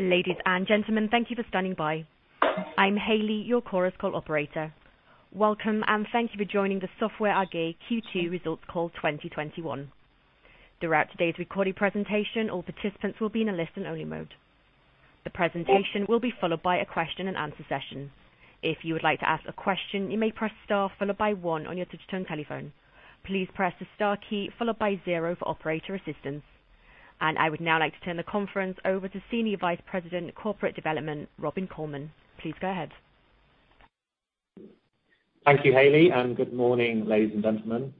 Ladies and gentlemen, thank you for standing by. I'm Hailey, your Chorus Call operator. Welcome and thank you for joining the Software AG Q2 results call 2021. Throughout today's recorded presentation, all participants will be in a listen-only mode. The presentation will be followed by a question and answer session. I would now like to turn the conference over to Senior Vice President of Corporate Development, Robin Colman. Please go ahead. Thank you, Hailey. Good morning, ladies and gentlemen.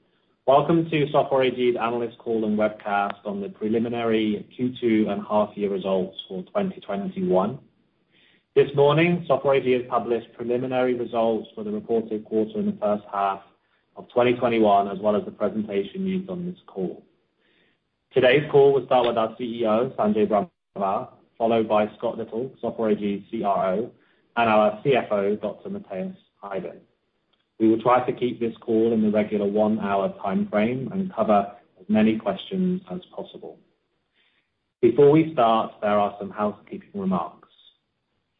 Welcome to Software AG's analyst call and webcast on the preliminary Q2 and half-year results for 2021. This morning, Software AG has published preliminary results for the reported quarter in the first half of 2021, as well as the presentation used on this call. Today's call will start with our CEO, Sanjay Brahmawar, followed by Scott Little, Software AG CRO, and our CFO, Dr. Matthias Heiden. We will try to keep this call in the regular one-hour timeframe and cover as many questions as possible. Before we start, there are some housekeeping remarks.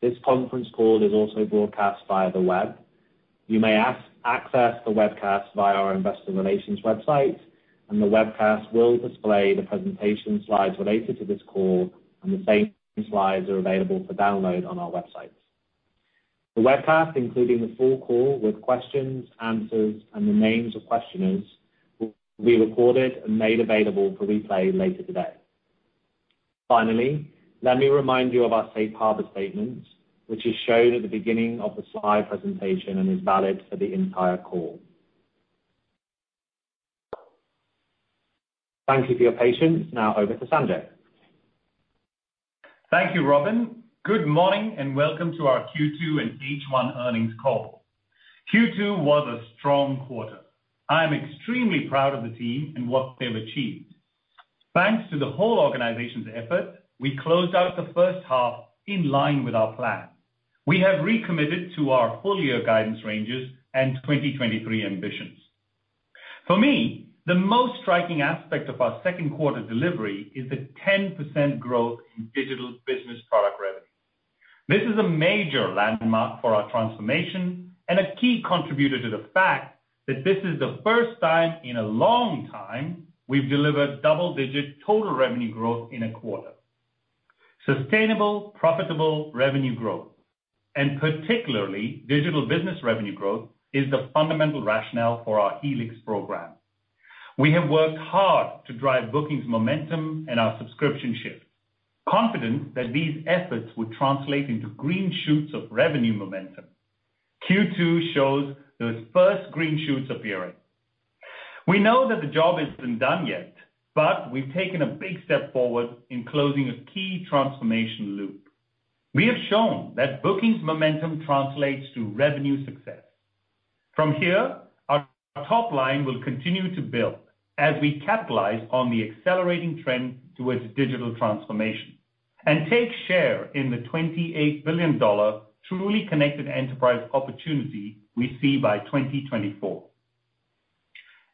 This conference call is also broadcast via the web. You may access the webcast via our investor relations website, and the webcast will display the presentation slides related to this call, and the same slides are available for download on our website. The webcast, including the full call with questions, answers, and the names of questioners, will be recorded and made available for replay later today. Finally, let me remind you of our Safe Harbor statement, which is shown at the beginning of the slide presentation and is valid for the entire call. Thank you for your patience. Now over to Sanjay. Thank you, Robin. Good morning and welcome to our Q2 and first half earnings call. Q2 was a strong quarter. I am extremely proud of the team and what they've achieved. Thanks to the whole organization's effort, we closed out the first half in line with our plan. We have recommitted to our full-year guidance ranges and 2023 ambitions. For me, the most striking aspect of our Q2 delivery is the 10% growth digital business product revenue. This is a major landmark for our transformation and a key contributor to the fact that this is the first time in a long time we've delivered double-digit total revenue growth in a quarter. Sustainable, profitable revenue growth, and digital business revenue growth, is the fundamental rationale for our Helix program. We have worked hard to drive bookings momentum and our subscription shift, confident that these efforts would translate into green shoots of revenue momentum. Q2 shows those first green shoots appearing. We know that the job isn't done yet, but we've taken a big step forward in closing a key transformation loop. We have shown that bookings momentum translates to revenue success. From here, our top line will continue to build as we capitalize on the accelerating trend towards digital transformation and take share in the EUR 28 billion truly connected enterprise opportunity we see by 2024.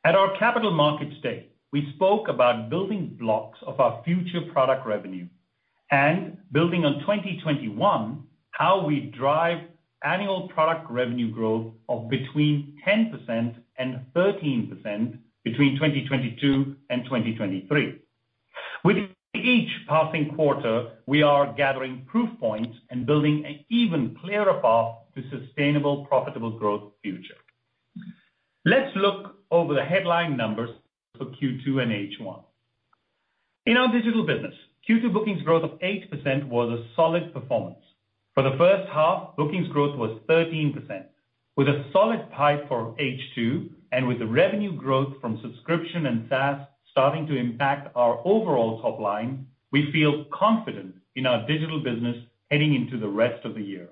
At our Capital Markets Day, we spoke about building blocks of our future product revenue and building on 2021, how we drive annual product revenue growth of between 10% and 13% between 2022 and 2023. With each passing quarter, we are gathering proof points and building an even clearer path to sustainable, profitable growth future. Let's look over the headline numbers for Q2 and first half. In digital business, q2 bookings growth of 8% was a solid performance. For the first half, bookings growth was 13%. With a solid pipe for second half, and with the revenue growth from subscription and SaaS starting to impact our overall top line, we feel confident in digital business heading into the rest of the year.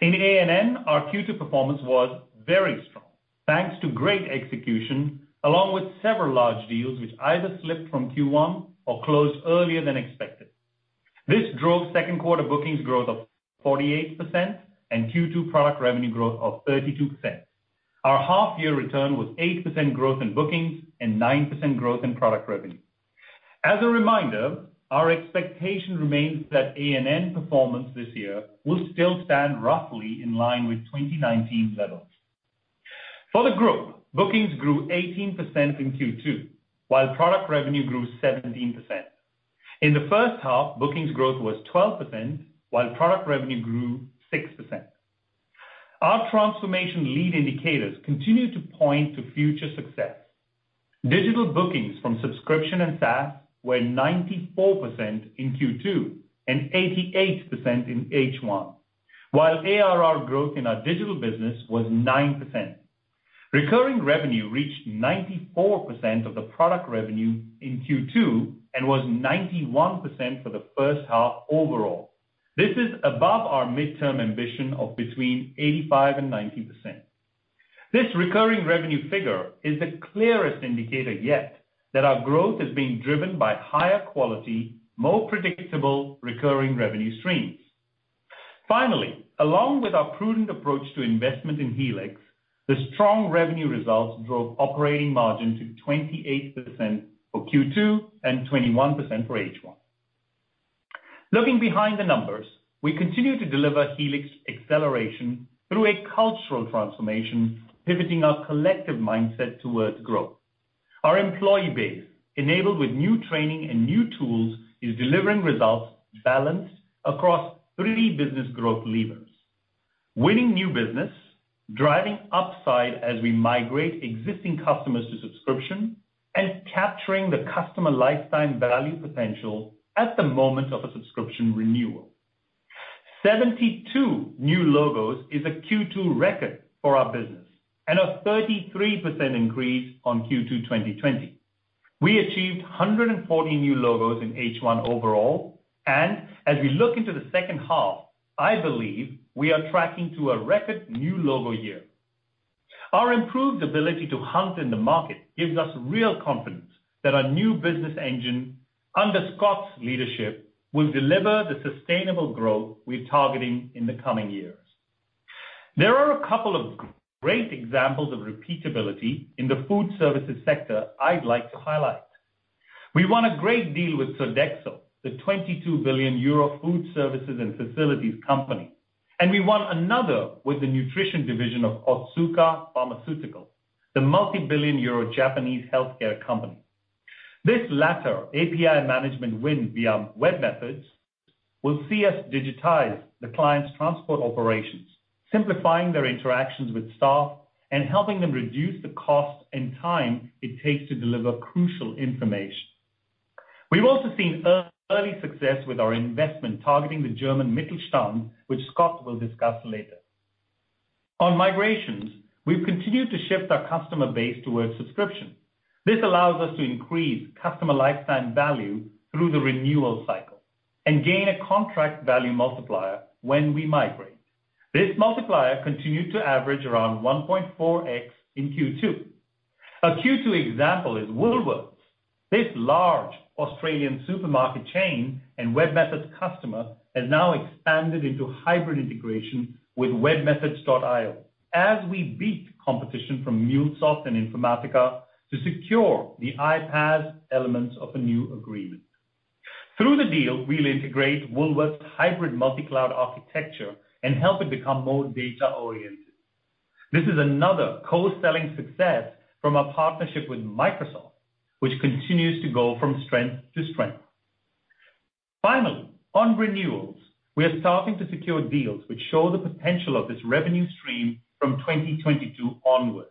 In A&N, our Q2 performance was very strong, thanks to great execution, along with several large deals which either slipped from Q1 or closed earlier than expected. This drove Q2 bookings growth of 48% and Q2 product revenue growth of 32%. Our half-year return was 8% growth in bookings and 9% growth in product revenue. As a reminder, our expectation remains that A&N performance this year will still stand roughly in line with 2019 levels. For the group, bookings grew 18% in Q2, while product revenue grew 17%. In the first half, bookings growth was 12%, while product revenue grew 6%. Our transformation lead indicators continue to point to future success. Digital bookings from subscription and SaaS were 94% in Q2 and 88% in first half, while ARR growth in digital business was 9%. Recurring revenue reached 94% of the product revenue in Q2 and was 91% for the first half overall. This is above our midterm ambition of between 85% and 90%. This recurring revenue figure is the clearest indicator yet that our growth is being driven by higher quality, more predictable recurring revenue streams. Finally, along with our prudent approach to investment in Helix, the strong revenue results drove operating margin to 28% for Q2 and 21% for first half. Looking behind the numbers, we continue to deliver Helix acceleration through a cultural transformation, pivoting our collective mindset towards growth. Our employee base, enabled with new training and new tools, is delivering results balanced across three business growth levers. Winning new business, driving upside as we migrate existing customers to subscription, and capturing the customer lifetime value potential at the moment of a subscription renewal. 72 new logos is a Q2 record for our business and a 33% increase on Q2 2020. We achieved 140 new logos in first half overall, as we look into the second half, I believe we are tracking to a record new logo year. Our improved ability to hunt in the market gives us real confidence that our new business engine under Scott's leadership will deliver the sustainable growth we're targeting in the coming years. There are a couple of great examples of repeatability in the food services sector I'd like to highlight. We won a great deal with Sodexo, the 22 billion euro food services and facilities company, and we won another with the nutrition division of Otsuka Pharmaceutical, the multibillion-euro Japanese healthcare company. This latter API management win via webMethods will see us digitize the client's transport operations, simplifying their interactions with staff and helping them reduce the cost and time it takes to deliver crucial information. We've also seen early success with our investment targeting the German Mittelstand, which Scott will discuss later. On migrations, we've continued to shift our customer base towards subscription. This allows us to increase customer lifetime value through the renewal cycle and gain a contract value multiplier when we migrate. This multiplier continued to average around 1.4x in Q2. A Q2 example is Woolworths. This large Australian supermarket chain and webMethods customer has now expanded into hybrid integration with webMethods.io as we beat competition from MuleSoft and Informatica to secure the iPaaS elements of a new agreement. Through the deal, we'll integrate Woolworth's hybrid multi-Cloud architecture and help it become more data-oriented. This is another co-selling success from our partnership with Microsoft, which continues to go from strength to strength. Finally, on renewals, we are starting to secure deals which show the potential of this revenue stream from 2022 onwards.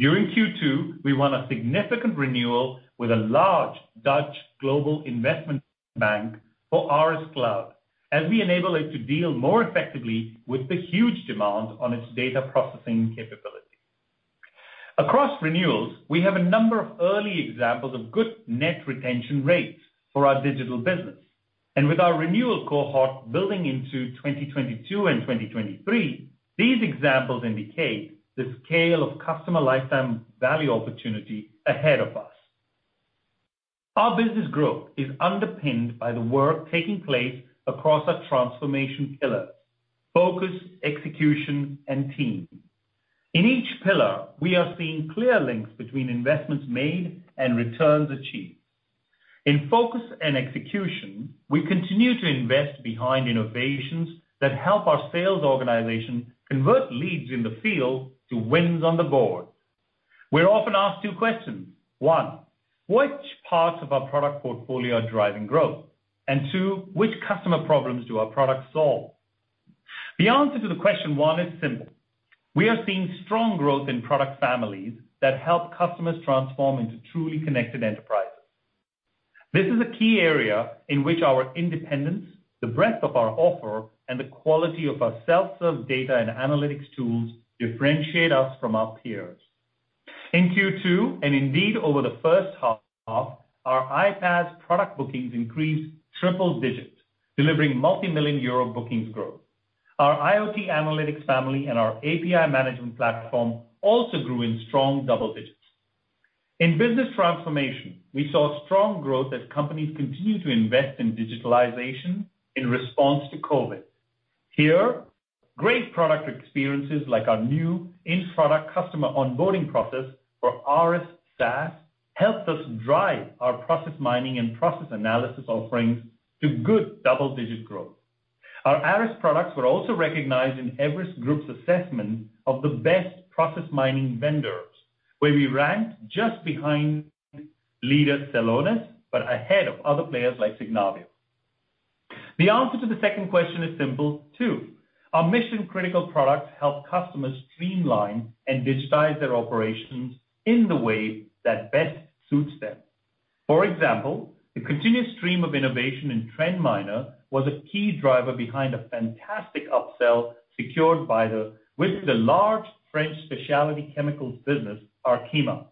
During Q2, we won a significant renewal with a large Dutch global investment bank for ARIS Cloud as we enable it to deal more effectively with the huge demand on its data processing capability. Across renewals, we have a number of early examples of good net retention rates for digital business. with our renewal cohort building into 2022 and 2023, these examples indicate the scale of customer lifetime value opportunity ahead of us. Our business growth is underpinned by the work taking place across our transformation pillars: focus, execution, and team. In each pillar, we are seeing clear links between investments made and returns achieved. In focus and execution, we continue to invest behind innovations that help our sales organization convert leads in the field to wins on the board. We're often asked two questions. One, which parts of our product portfolio are driving growth? Two, which customer problems do our products solve? The answer to the question one is simple. We are seeing strong growth in product families that help customers transform into truly connected enterprises. This is a key area in which our independence, the breadth of our offer, and the quality of our self-serve data and analytics tools differentiate us from our peers. In Q2, indeed over the first half, our iPaaS product bookings increased triple digits, delivering multi-million EUR bookings growth. Our IoT analytics family and our API management platform also grew in strong double digits. In business transformation, we saw strong growth as companies continued to invest in digitalization in response to COVID. Here, great product experiences like our new in-product customer onboarding process for ARIS SaaS helped us drive our process mining and process analysis offerings to good double-digit growth. Our ARIS products were also recognized in Everest Group's assessment of the best process mining vendors, where we ranked just behind leader Celonis, but ahead of other players like Signavio. The answer to the second question is simple, too. Our mission-critical products help customers streamline and digitize their operations in the way that best suits them. For example, the continuous stream of innovation in TrendMiner was a key driver behind a fantastic upsell secured with the large French specialty chemicals business, Arkema.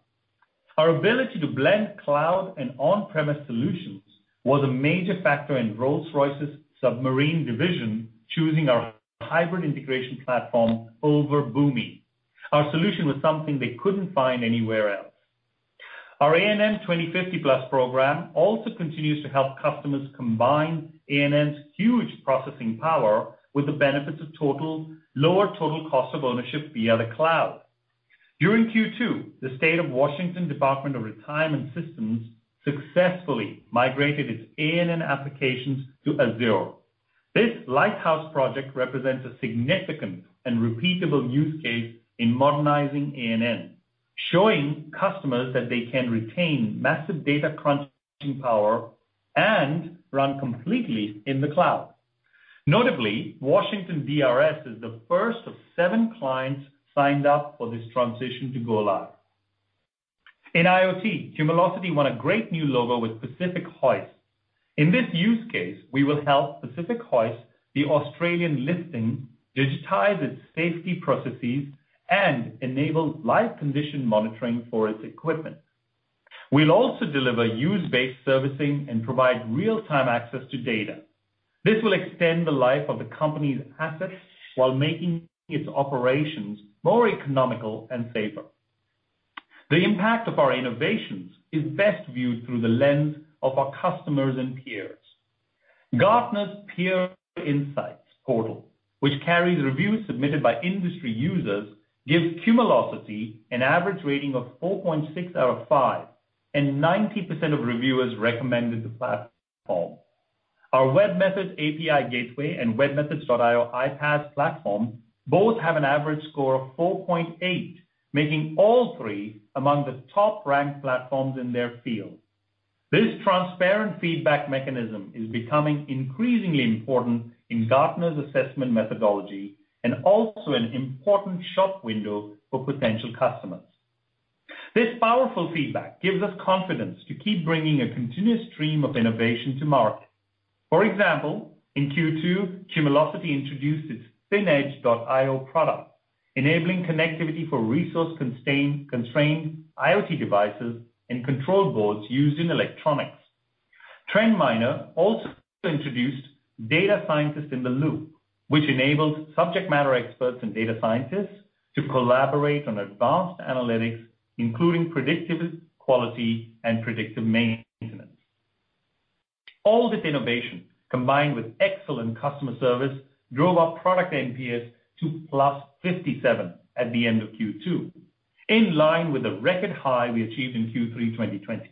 Our ability to blend Cloud and on-premise solutions was a major factor in Rolls-Royce's Submarine division choosing our hybrid integration platform over Boomi. Our solution was something they couldn't find anywhere else. Our A&N 2050+ program also continues to help customers combine A&N's huge processing power with the benefits of lower total cost of ownership via the Cloud. During Q2, the State of Washington Department of Retirement Systems successfully migrated its A&N applications to Azure. This lighthouse project represents a significant and repeatable use case in modernizing A&N, showing customers that they can retain massive data crunching power and run completely in the Cloud. Notably, Washington DRS is the first of seven clients signed up for this transition to go live. In IoT, Cumulocity won a great new logo with Pacific Hoists. In this use case, we will help Pacific Hoists, the Australian listing, digitize its safety processes and enable live condition monitoring for its equipment. We will also deliver use-based servicing and provide real-time access to data. This will extend the life of the company's assets while making its operations more economical and safer. The impact of our innovations is best viewed through the lens of our customers and peers. Gartner's Peer Insights portal, which carries reviews submitted by industry users, gives Cumulocity an average rating of 4.6 out of 5, and 90% of reviewers recommended the platform. Our webMethods API Gateway and webMethods.io iPaaS platform both have an average score of 4.8, making all three among the top-ranked platforms in their field. This transparent feedback mechanism is becoming increasingly important in Gartner's assessment methodology and also an important shop window for potential customers. This powerful feedback gives us confidence to keep bringing a continuous stream of innovation to market. For example, in Q2, Cumulocity introduced its thin-edge.io product, enabling connectivity for resource-constrained IoT devices and control boards used in electronics. TrendMiner also introduced Data Scientist in the Loop, which enables subject matter experts and data scientists to collaborate on advanced analytics, including predictive quality and predictive maintenance. All this innovation, combined with excellent customer service, drove our product NPS to +57 at the end of Q2, in line with the record high we achieved in Q3 2020.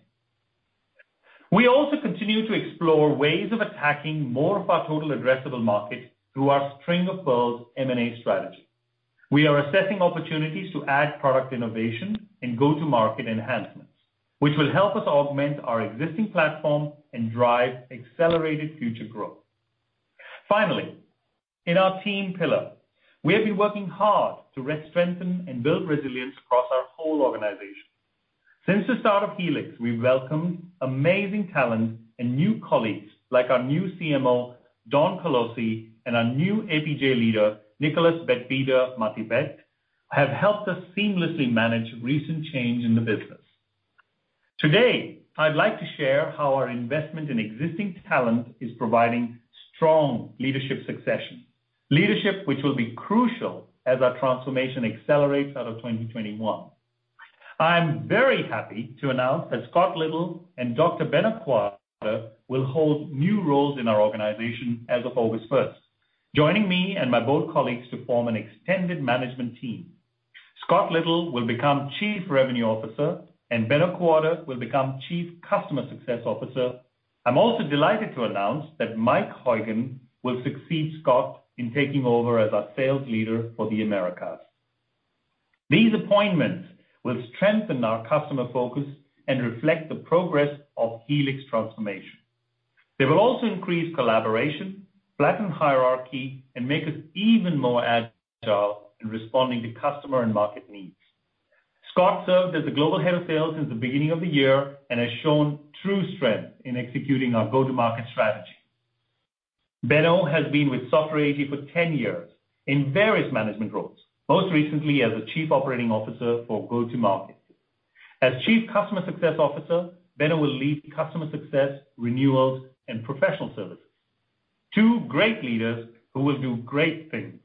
We also continue to explore ways of attacking more of our total addressable market through our string-of-pearls M&A strategy. We are assessing opportunities to add product innovation and Go-To-Market enhancements, which will help us augment our existing platform and drive accelerated future growth. Finally, in our team pillar, we have been working hard to strengthen and build resilience across our whole organization. Since the start of Helix, we've welcomed amazing talent and new colleagues, like our new CMO, Dawn Colossi, and our new APJ leader, Nicolas Betbeder-Matibet, have helped us seamlessly manage recent change in the business. Today, I'd like to share how our investment in existing talent is providing strong leadership succession, leadership which will be crucial as our transformation accelerates out of 2021. I'm very happy to announce that Scott Little and Dr. Benno Quade will hold new roles in our organization as of 1 August, joining me and my board colleagues to form an extended management team. Scott Little will become Chief Revenue Officer, and Benno Quade will become Chief Customer Success Officer. I'm also delighted to announce that Mike Haugen will succeed Scott in taking over as our sales leader for the Americas. These appointments will strengthen our customer focus and reflect the progress of Helix transformation. They will also increase collaboration, flatten hierarchy, and make us even more agile in responding to customer and market needs. Scott served as the Global Head of Sales since the beginning of the year and has shown true strength in executing our Go-To-Market strategy. Benno has been with Software AG for 10 years in various management roles, most recently as the Chief Operating Officer for Go-To-Market. As Chief Customer Success Officer, Benno will lead customer success, renewals, and professional services. Two great leaders who will do great things.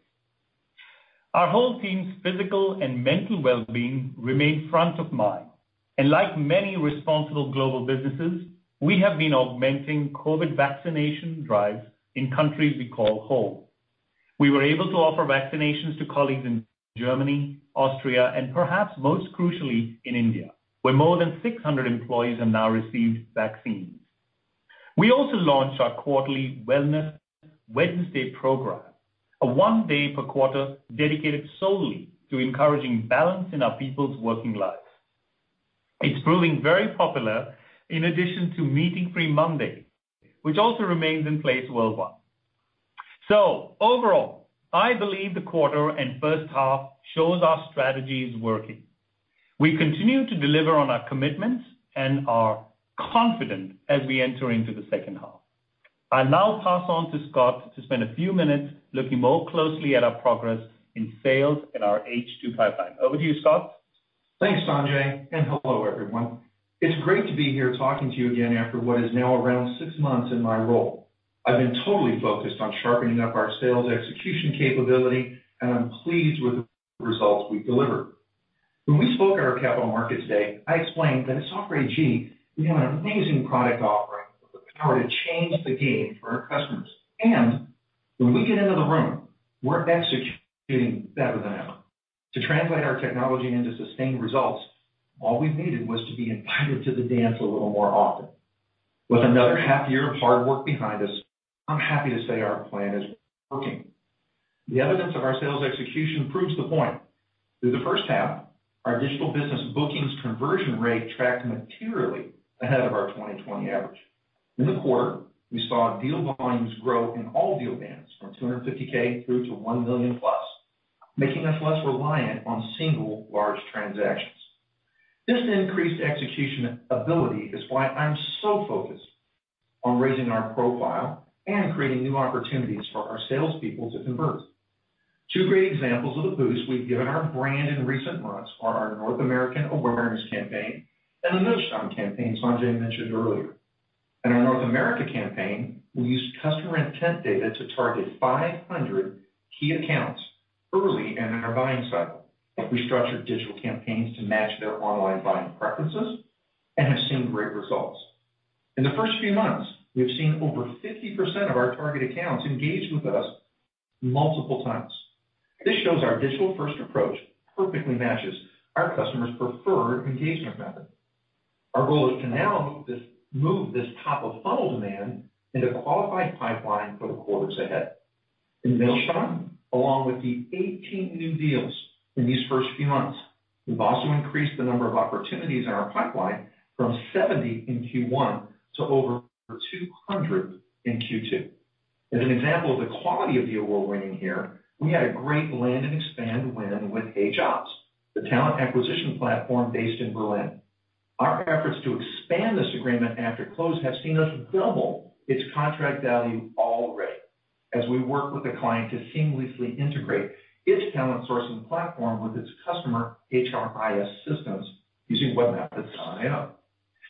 Our whole team's physical and mental wellbeing remain front of mind, and like many responsible global businesses, we have been augmenting COVID vaccination drives in countries we call home. We were able to offer vaccinations to colleagues in Germany, Austria, and perhaps most crucially, in India, where more than 600 employees have now received vaccines. We also launched our quarterly Wellness Wednesday program, a one day per quarter dedicated solely to encouraging balance in our people's working lives. It's proving very popular in addition to meeting free Monday, which also remains in place worldwide. Overall, I believe the quarter and first half shows our strategy is working. We continue to deliver on our commitments and are confident as we enter into the second half. I now pass on to Scott to spend a few minutes looking more closely at our progress in sales and our second half pipeline over to you, Scott. Thanks, Sanjay, and hello, everyone. It's great to be here talking to you again after what is now around six months in my role. I've been totally focused on sharpening up our sales execution capability, and I'm pleased with the results we've delivered. When we spoke at our Capital Markets Day, I explained that at Software AG, we have an amazing product offering with the power to change the game for our customers and when we get into the room, we're executing better than ever. To translate our technology into sustained results, all we needed was to be invited to the dance a little more often. With another half year of hard work behind us, I'm happy to say our plan is working. The evidence of our sales execution proves the point. Through the first half, digital business bookings conversion rate tracked materially ahead of our 2020 average. In the quarter, we saw deal volumes grow in all deal bands from 250,000 through to 1 million+ making us less reliant on single large transactions. This increased execution ability is why I'm so focused on raising our profile and creating new opportunities for our salespeople to convert. Two great examples of the boost we've given our brand in recent months are our North American awareness campaign and the Mittelstand campaign Sanjay mentioned earlier. In our North America campaign, we used customer intent data to target 500 key accounts early in their buying cycle, and we structured digital campaigns to match their online buying preferences and have seen great results. In the first few months, we have seen over 50% of our target accounts engage with us multiple times. This shows our digital-first approach perfectly matches our customers' preferred engagement method. Our goal is to now move this top-of-funnel demand into qualified pipeline for the quarters ahead. In Mittelstand, along with the 18 new deals in these first few months, we've also increased the number of opportunities in our pipeline from 70 in Q1 to over 200 in Q2. As an example of the quality of deal we're winning here, we had a great land-and-expand win with HeyJobs, the talent acquisition platform based in Berlin. Our efforts to expand this agreement after close have seen us double its contract value already as we work with the client to seamlessly integrate its talent sourcing platform with its customer HRIS systems using webMethods.io.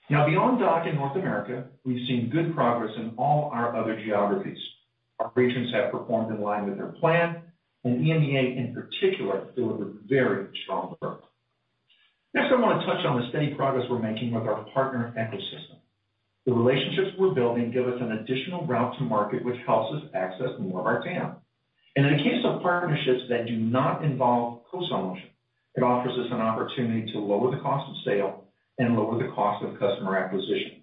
Beyond DACH in North America, we've seen good progress in all our other geographies. Our regions have performed in line with their plan, EMEA, in particular, delivered very strong growth. I want to touch on the steady progress we're making with our partner ecosystem. The relationships we're building give us an additional route to market, which helps us access more of our TAM. In the case of partnerships that do not involve co-solution, it offers us an opportunity to lower the cost of sale and lower the cost of customer acquisition.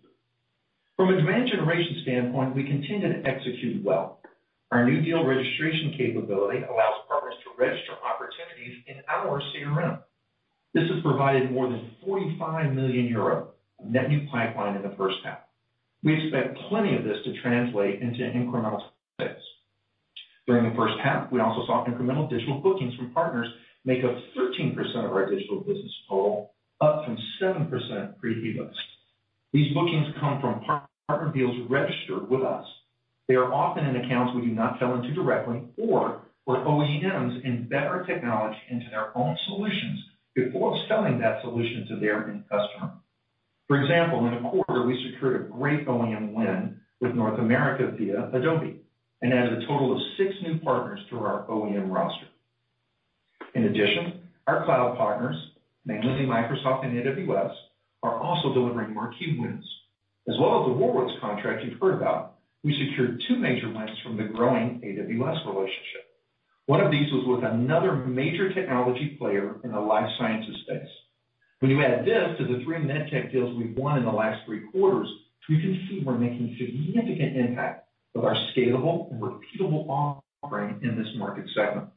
From a demand generation standpoint, we continue to execute well. Our new deal registration capability allows partners to register opportunities in our CRM. This has provided more than 45 million euro of net new pipeline in the first half. We expect plenty of this to translate into incremental sales. During the first half, we also saw incremental digital bookings from partners make up 13% of digital business total, up from 7% pre-Helix. These bookings come from partner deals registered with us. They are often in accounts we do not sell into directly or where OEMs embed our technology into their own solutions before selling that solution to their end customer. For example, in the quarter, we secured a great OEM win with North America via Adobe and added a total of six new partners to our OEM roster. In addition, our Cloud partners, namely Microsoft and AWS, are also delivering marquee wins. As well as the Woolworths contract you've heard about, we secured two major wins from the growing AWS relationship. One of these was with another major technology player in the Life Sciences space. When you add this to the three med tech deals we've won in the last three quarters, we can see we're making a significant impact with our scalable and repeatable offering in this market segment.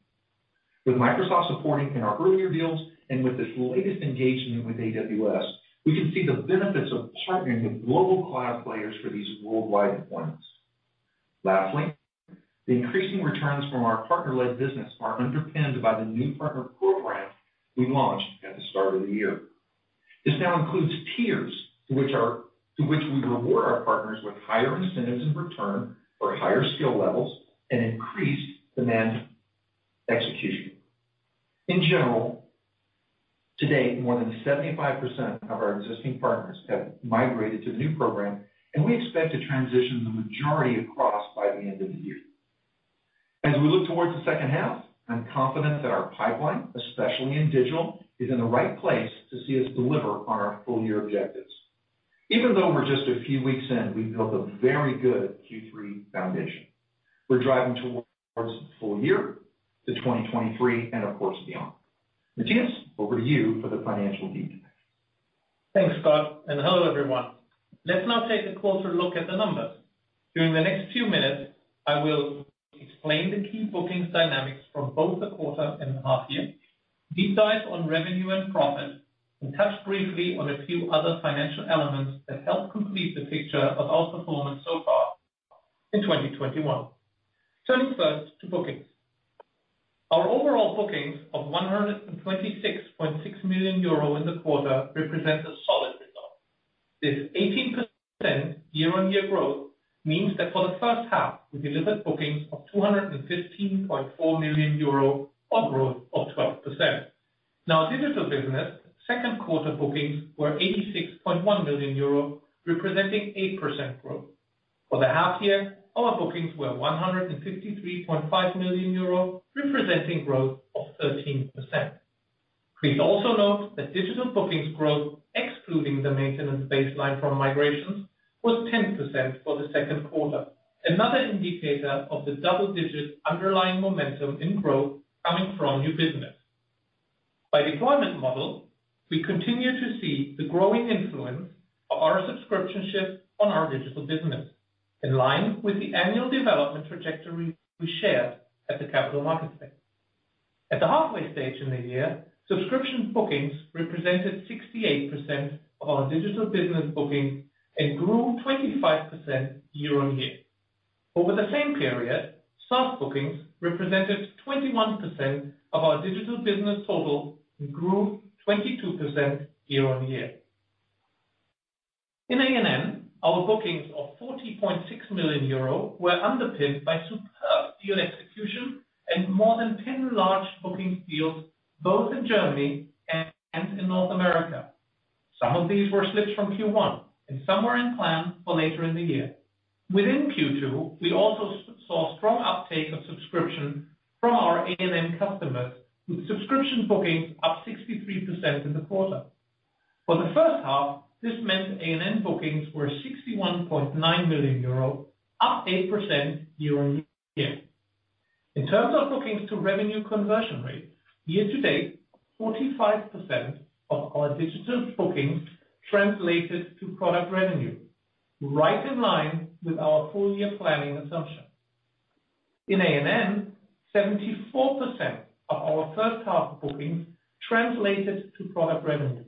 With Microsoft supporting in our earlier deals and with this latest engagement with AWS, we can see the benefits of partnering with global Cloud players for these worldwide deployments. Lastly, the increasing returns from our partner-led business are underpinned by the new partner program we launched at the start of the year. This now includes tiers to which we reward our partners with higher incentives in return for higher skill levels and increased demand execution. In general, to date, more than 75% of our existing partners have migrated to the new program, and we expect to transition the majority across by the end of the year. As we look towards the second half, I'm confident that our pipeline, especially in digital, is in the right place to see us deliver on our full-year objectives. Even though we're just a few weeks in, we've built a very good Q3 foundation. We're driving towards the full year to 2023 and of course, beyond. Matthias, over to you for the financial details. Thanks, Scott, and hello, everyone. Let's now take a closer look at the numbers. During the next few minutes, I will explain the key bookings dynamics from both the quarter and the half year, deep dive on revenue and profit, and touch briefly on a few other financial elements that help complete the picture of our performance so far in 2021. Turning first to bookings. Our overall bookings of 126.6 million euro in the quarter represent a solid result. This 18% year-on-year growth means that for the first half, we delivered bookings of 215.4 million euro, up growth of digital business q2 bookings were 86.1 million euro, representing 8% growth. For the half year, our bookings were 153.5 million euro, representing growth of 13%. Please also note that digital bookings growth, excluding the maintenance baseline from migrations, was 10% for the Q2, another indicator of the double-digit underlying momentum in growth coming from new business. By deployment model, we continue to see the growing influence of our subscription shift on digital business, in line with the annual development trajectory we shared at the Capital Markets Day. At the halfway stage in the year, subscription bookings represented 68% of digital business bookings and grew 25% year-on-year. Over the same period, SaaS bookings represented 21% of digital business total and grew 22% year-on-year. In A&N, our bookings of 40.6 million euro were underpinned by superb deal execution and more than 10 large bookings deals both in Germany and in North America, some of these were slipped from Q1, and some were in plan for later in the year. Within Q2, we also saw strong uptake of subscription from our A&N customers, with subscription bookings up 63% in the quarter. For the first half, this meant A&N bookings were 61.9 million euro, up 8% year-on-year. In terms of bookings to revenue conversion rate, year-to-date, 45% of our digital bookings translated to product revenue, right in line with our full-year planning assumption. In A&N, 74% of our first half bookings translated to product revenue.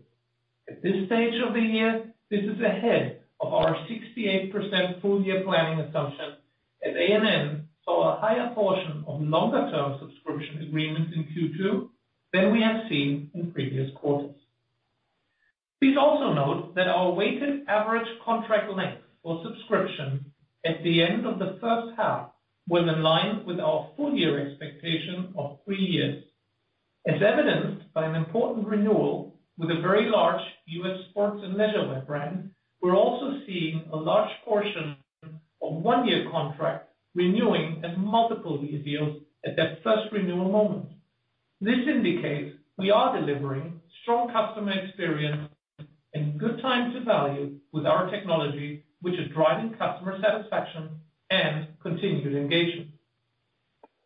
At this stage of the year, this is ahead of our 68% full-year planning assumption, as A&N saw a higher portion of longer-term subscription agreements in Q2 than we have seen in previous quarters. Please also note that our weighted average contract length for subscription at the end of the first half was in line with our full-year expectation of three years. As evidenced by an important renewal with a very large U.S. sports and measurement brand, we're also seeing a large portion of one year contract renewing as multiple-year deals at that first renewal moment. This indicates we are delivering strong customer experience and good time to value with our technology, which is driving customer satisfaction and continued engagement.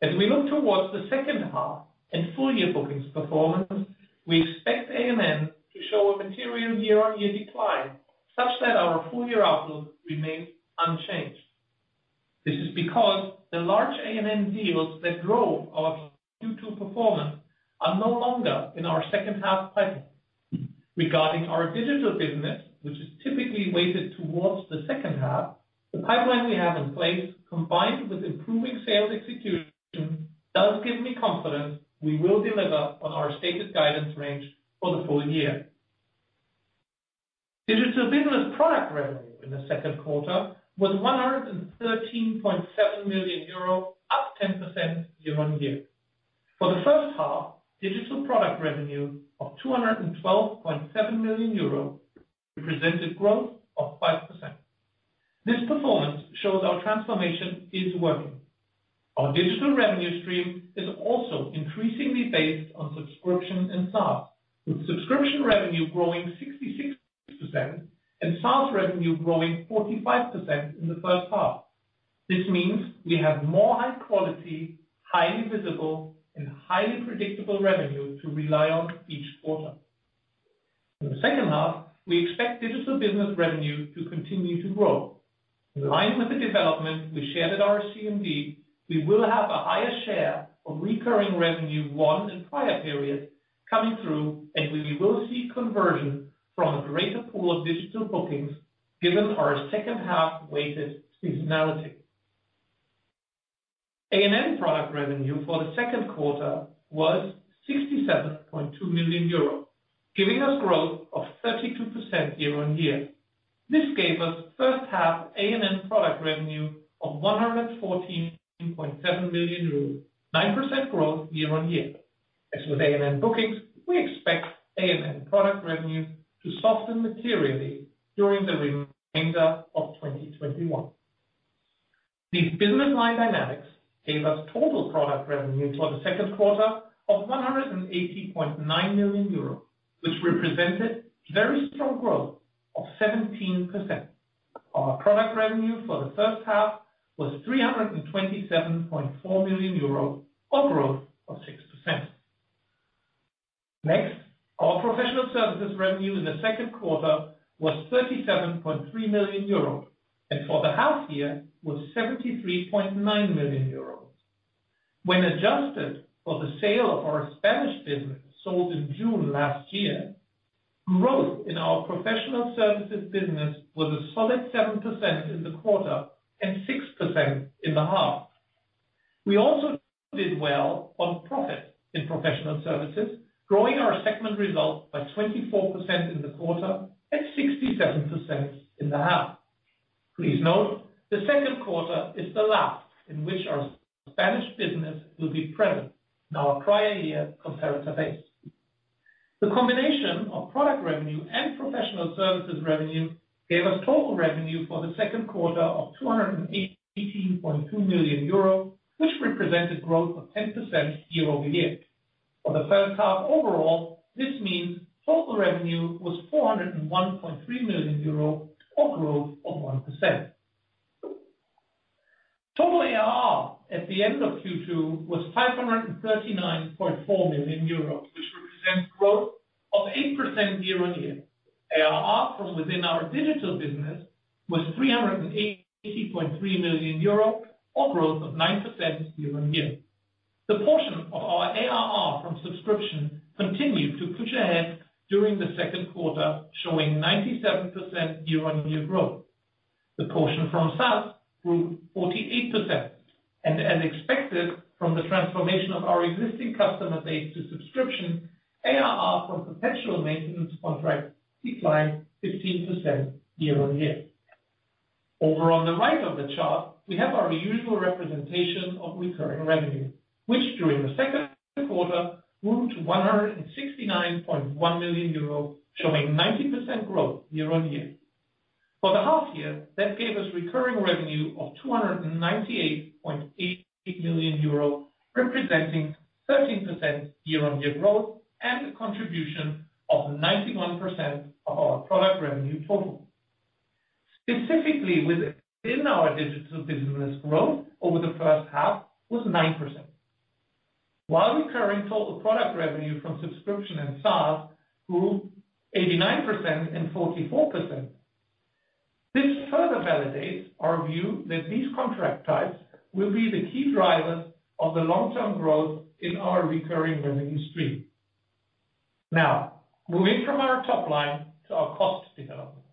As we look towards the second half and full-year bookings performance, we expect A&N to show a material year-on-year decline, such that our full-year outlook remains unchanged. This is because the large A&N deals that drove our Q2 performance are no longer in our second half pipeline. Regarding digital business, which is typically weighted towards the second half, the pipeline we have in place, combined with improving sales execution, does give me confidence we will deliver on our stated guidance range for the full year. Digital business product revenue in the Q2 was €113.7 million, up 10% year-on-year. For the first half, digital product revenue of €212.7 million represented growth of 5%. This performance shows our transformation is working. Our digital revenue stream is also increasingly based on subscription and SaaS, with subscription revenue growing 66% and SaaS revenue growing 45% in the first half. This means we have more high quality, highly visible, and highly predictable revenue to rely on each quarter. In the second half, we digital business revenue to continue to grow. In line with the development we shared at our CMD, we will have a higher share of recurring revenue won in prior periods coming through, and we will see conversion from a greater pool of digital bookings given our second half weighted seasonality. A&N product revenue for the Q2 was 67.2 million euros, giving us growth of 32% year-on-year. This gave us first half A&N product revenue of 114.7 million euros, 9% growth year-on-year. As with A&N bookings, we expect A&N product revenue to soften materially during the remainder of 2021. These business line dynamics gave us total product revenue for the Q2 of 180.9 million euros, which represented very strong growth of 17%. Our product revenue for the first half was 327.4 million euros, or growth of 6%. Our professional services revenue in the Q2 was 37.3 million euros, and for the half year was 73.9 million euros. When adjusted for the sale of our Spanish business sold in June last year, growth in our professional services business was a solid 7% in the quarter and 6% in the half. We also did well on profit in professional services, growing our segment result by 24% in the quarter and 67% in the half. Please note the Q2 is the last in which our Spanish business will be present in our prior year comparator base. The combination of product revenue and professional services revenue gave us total revenue for the Q2 of 218.2 million euro, which represented growth of 10% year-over-year. For the first half overall, this means total revenue was 401.3 million euro or growth of 1%. Total ARR at the end of Q2 was 539.4 million euros, which represents growth of 8% year-on-year. ARR from within digital business was 380.3 million euro or growth of 9% year-on-year. The portion of our ARR from subscription continued to push ahead during the Q2, showing 97% year-on-year growth. The portion from SaaS grew 48% and as expected from the transformation of our existing customer base to subscription, ARR from perpetual maintenance contracts declined 15% year-on-year. Over on the right of the chart, we have our usual representation of recurring revenue, which during the Q2 grew to 169.1 million euros, showing 19% growth year-on-year. For the half year, that gave us recurring revenue of 298.8 million euro, representing 13% year-on-year growth and a contribution of 91% of our product revenue total. Specifically within digital business, growth over the first half was 9%, while recurring total product revenue from subscription and SaaS grew 89% and 44%. This further validates our view that these contract types will be the key drivers of the long-term growth in our recurring revenue stream. Now, moving from our top line to our cost development.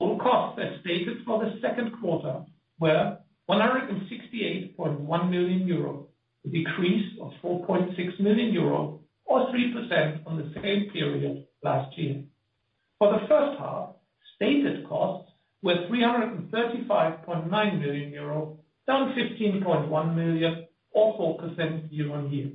All costs as stated for the Q2 were 168.1 million euro, a decrease of 4.6 million euro or 3% on the same period last year. For the first half, stated costs were 335.9 million euro, down 15.1 million or 4% year-on-year.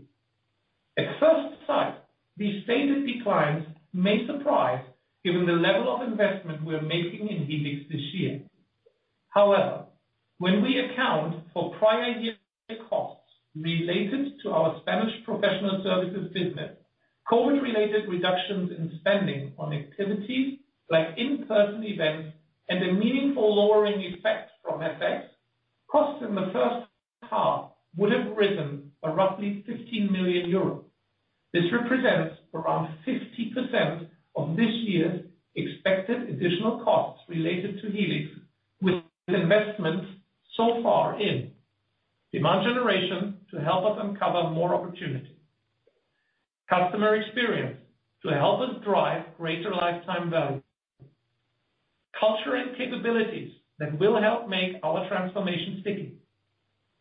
At first sight, these stated declines may surprise given the level of investment we are making in Helix this year. However, when we account for prior year costs related to our Spanish professional services business, COVID-related reductions in spending on activities like in-person events, and a meaningful lowering effect from FX, costs in the first half would have risen by roughly 15 million euros. This represents around 50% of this year's expected additional costs related to Helix with investments so far in demand generation to help us uncover more opportunity, customer experience to help us drive greater lifetime value, culture and capabilities that will help make our transformation sticky,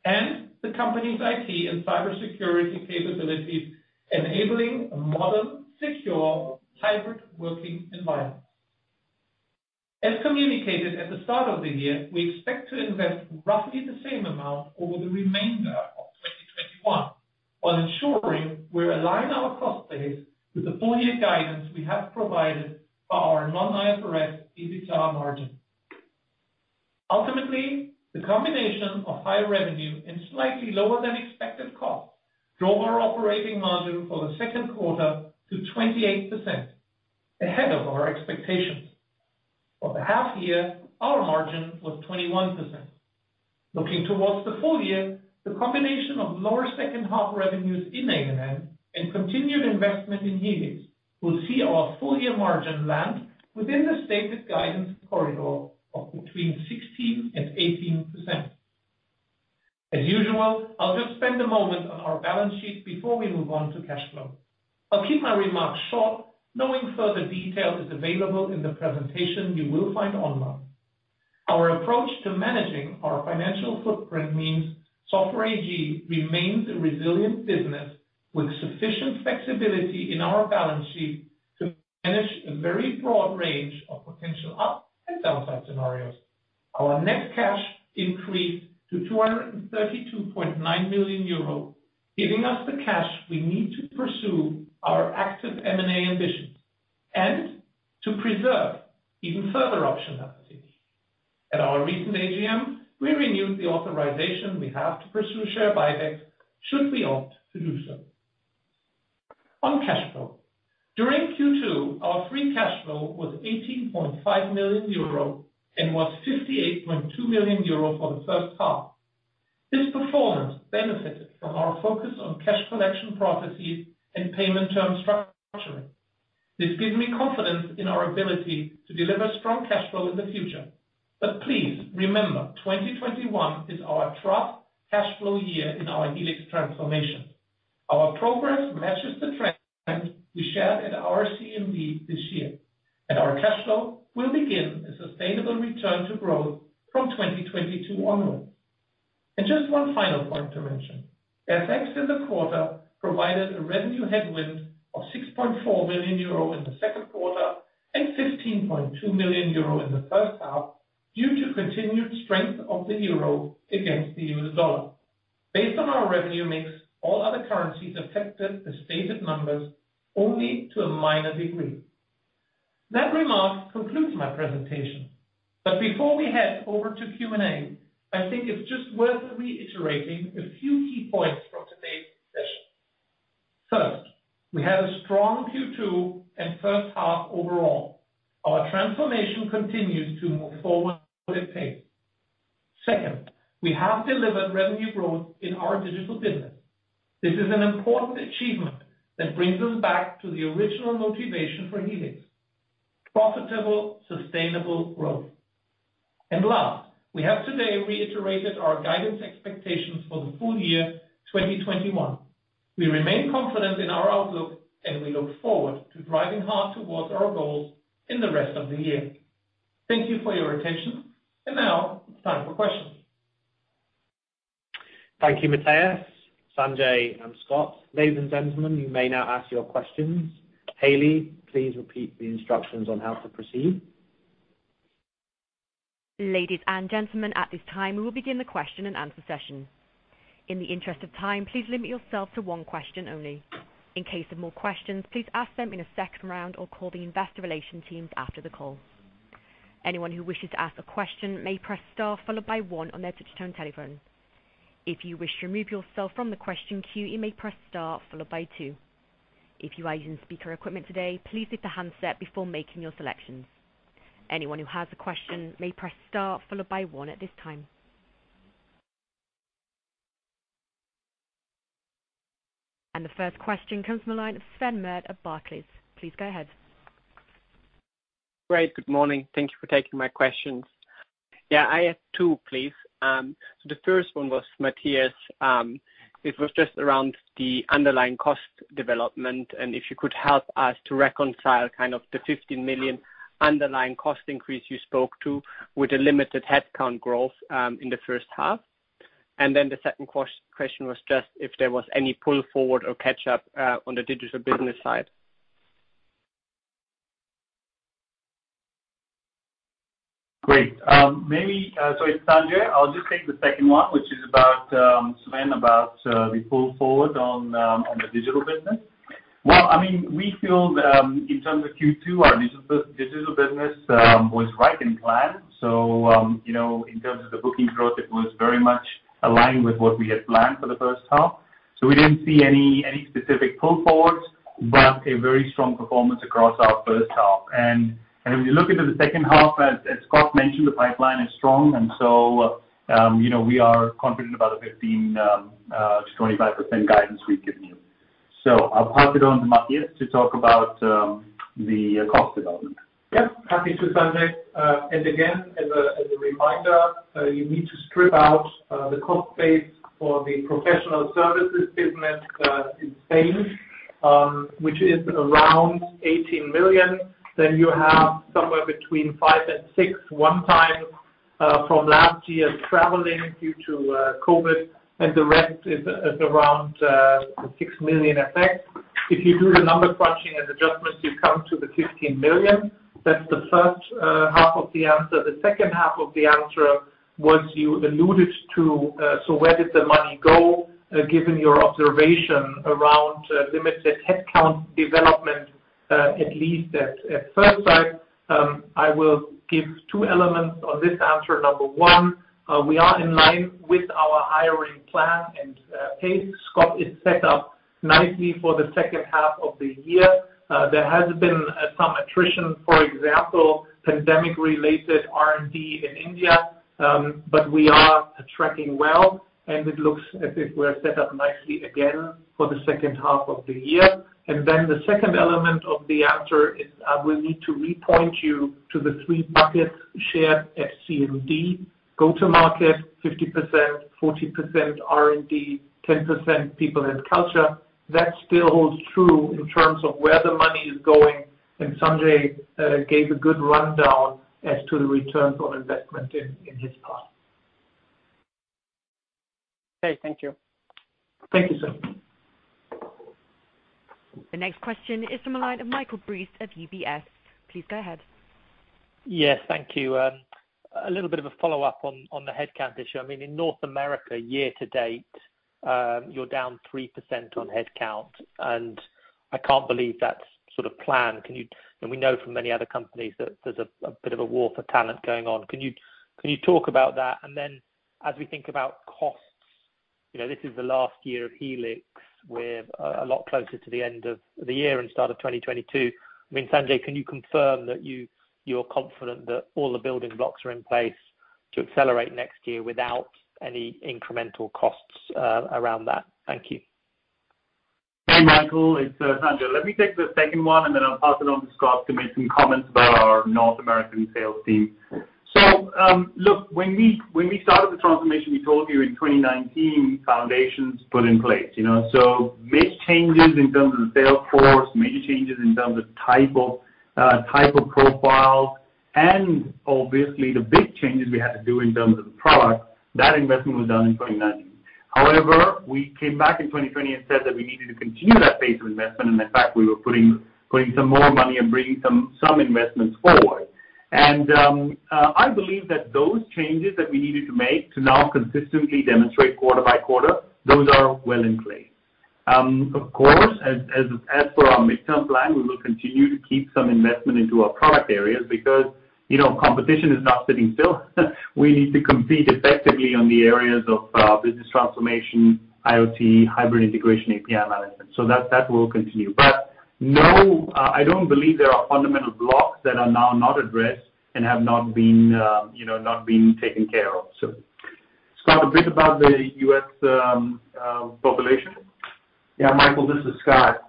and the company's IT and cybersecurity capabilities enabling a modern, secure, hybrid working environment. As communicated at the start of the year, we expect to invest roughly the same amount over the remainder of 2021, while ensuring we align our cost base with the full year guidance we have provided for our non-IFRS EBITDA margin. Ultimately, the combination of higher revenue and slightly lower than expected costs drove our operating margin for the Q2 to 28%, ahead of our expectations, for the half year, our margin was 21%. Looking towards the full year, the combination of lower second half revenues in A&N and continued investment in Helix will see our full year margin land within the stated guidance corridor of between 16% and 18%. I'll just spend a moment on our balance sheet before we move on to cash flow. I'll keep my remarks short, knowing further detail is available in the presentation you will find online. Our approach to managing our financial footprint means Software AG remains a resilient business with sufficient flexibility in our balance sheet to manage a very broad range of potential up and downside scenarios. Our net cash increased to 232.9 million euros, giving us the cash we need to pursue our active M&A ambitions and to preserve even further optionality. At our recent AGM, we renewed the authorization we have to pursue share buybacks should we opt to do so. On cash flow, during Q2, our Free Cash Flow was 18.5 million euro and was 58.2 million euro for the first half. This performance benefited from our focus on cash collection processes and payment term structuring. This gives me confidence in our ability to deliver strong cash flow in the future, please remember, 2021 is our trough cash flow year in our Helix transformation. Our progress matches the trend we shared at our CMD this year, and our cash flow will begin a sustainable return to growth from 2022 onwards. Just one final point to mention. FX in the quarter provided a revenue headwind of 6.4 million euro in the Q2 and 15.2 million euro in the first half, due to continued strength of the euro against the US dollar. Based on our revenue mix, all other currencies affected the stated numbers only to a minor degree. That remark concludes my presentation. Before we head over to Q&A, I think it's just worth reiterating a few key points from today's session. First, we had a strong Q2 and first half overall. Our transformation continues to move forward with pace. Second, we have delivered revenue growth in digital business, this is an important achievement that brings us back to the original motivation for Helix: profitable, sustainable growth. And last, we have today reiterated our guidance expectations for the full year 2021. We remain confident in our outlook, and we look forward to driving hard towards our goals in the rest of the year. Thank you for your attention. Now it's time for questions. Thank you, Matthias, Sanjay, and Scott. Ladies and gentlemen, you may now ask your questions. Hailey, please repeat the instructions on how to proceed. Ladies and gentlemen, at this time, we will begin the question and answer session. In the interest of time, please limit yourself to one question only. In case of more questions, please ask them in a second round or call the investor relation teams after the call. Anyone who wishes to ask a question may press star followed by one on their touch-tone telephone. If you wish to remove yourself from the question queue, you may press star followed by two. If you are using speaker equipment today, please hit the handset before making your selections. Anyone who has a question may press star followed by one at this time. The first question comes from the line of Sven Merkt of Barclays. Please go ahead. Great. Good morning thank you for taking my questions. Yeah, I have two please. The first one was, Matthias, it was just around the underlying cost development, and if you could help us to reconcile kind of the 15 million underlying cost increase you spoke to with the limited headcount growth in the first half. The second question was just if there was any pull forward or catch up on digital business side. Great. It's Sanjay i'll just take the second one, which is about, Sven, about the pull forward on digital business. I mean we feel in terms of Q2, digital business was right in plan. In terms of the booking growth, it was very much aligned with what we had planned for the first half. We didn't see any specific pull forwards, but a very strong performance across our first half and, if you look into the second half, as Scott mentioned, the pipeline is strong, and so we are confident about the 15%-25% guidance we've given you. I'll pass it on to Matthias to talk about the cost development. Yes. Happy to, Sanjay. Again, as a reminder, you need to strip out the cost base for the professional services business in Spain, which is around 18 million and you have somewhere between 5 million and 6 million, one time from last year's traveling due to COVID, and the rest is around 6 million effects. If you do the number crunching and adjustments, you come to the 15 million. That's the first half of the answer the second half of the answer was you alluded to? where did the money go? given your observation around limited headcount development, at least at first sight? I will give two elements on this answer number one, we are in line with our hiring plan and pace Scott is set up nicely for the second half of the year. There has been some attrition, for example, pandemic-related R&D in India. But we are tracking well, and it looks as if we're set up nicely again for the second half of the year. The second element of the answer is, I will need to repoint you to the three buckets shared at CMD. Go-To-Market 50%, 40% R&D, 10% people and culture, that still holds true in terms of where the money is going. Sanjay gave a good rundown as to the return on investment in his part. Okay. Thank you. Thank you, Sven. The next question is from the line of Michael Briest of UBS. Please go ahead. Yes. Thank you. A little bit of a follow-up on the headcount issue in North America, year to date, you're down 3% on headcount, I can't believe that's sort of planned. i mean we know from many other companies that there's a bit of a war for talent going on can you talk about that? As we think about costs, this is the last year of Helix we're a lot closer to the end of the year and start of 2022. Sanjay, can you confirm that you are confident that all the building blocks are in place to accelerate next year without any incremental costs around that? Thank you. Hey, Michael Briest, it's Sanjay Brahmawar let me take the second one, then I'll pass it on to Scott Little to make some comments about our North American sales team. Look, when we started the transformation, we told you in 2019, foundations put in place so major changes in terms of the sales force, major changes in terms of type of profile and, obviously the big changes we had to do in terms of the product, that investment was done in 2019. However, we came back in 2020 and said that we needed to continue that pace of investment in fact, we were putting some more money and bringing some investments forward. I believe that those changes that we needed to make to now consistently demonstrate quarter-by-quarter, those are well in place. Of course, as for our midterm plan we will continue to keep some investment into our product areas because competition is not sitting still. We need to compete effectively on the areas of business transformation, IoT, hybrid integration, API management so that will continue. No, I don't believe there are fundamental blocks that are now not addressed and have not been taken care of. Scott, a bit about the U.S. population. Michael, this is Scott.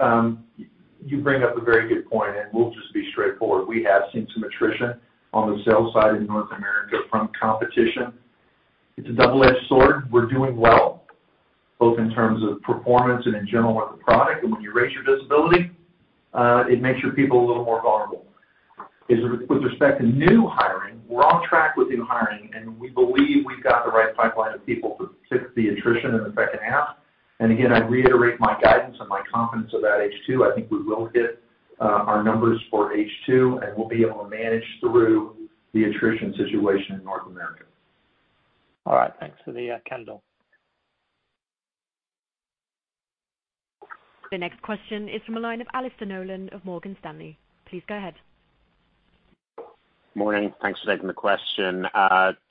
You bring up a very good point we'll just be straightforward we have seen some attrition on the sales side in North America from competition. It's a double-edged sword we're doing well, both in terms of performance and in general with the product when you raise your visibility, it makes your people a little more vulnerable. With respect to new hiring, we're on track with new hiring and we believe we've got the right pipeline of people to fix the attrition in the second half. Again, I reiterate my guidance and my confidence about second half i think we will hit our numbers for second half. And we'll be able to manage through the attrition situation in North America. All right. Thanks for the candor. The next question is from the line of Alastair Nolan of Morgan Stanley. Please go ahead. Morning. Thanks for taking the question.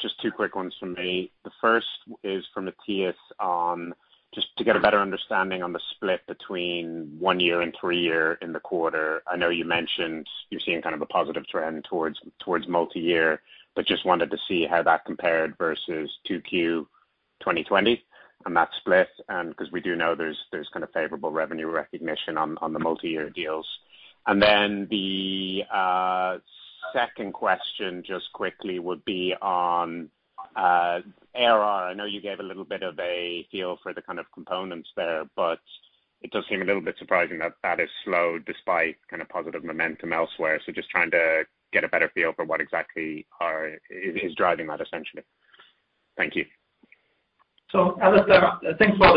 Just two quick ones from me, the first is for Matthias on, just to get a better understanding on the split between one year and three year in the quarter, i know you mentioned you're seeing a positive trend towards multi-year. Just wanted to see how that compared versus Q2 2020? on that split, because we do know there's favorable revenue recognition on the multi-year deals. The second question, just quickly, would be on ARR i know you gave a little bit of a feel for the kind of components there. It does seem a little bit surprising that that has slowed despite positive momentum elsewhere just trying to get a better feel for what exactly is driving that essentially. Thank you. Alastair, thanks for